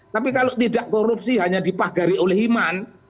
tapi kalau tidak korupsi hanya dipagari oleh iman